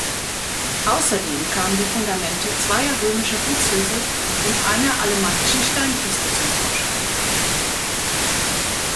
Ausserdem kamen die Fundamente zweier römischer Gutshöfe und einer alemannischen Steinkiste zum Vorschein.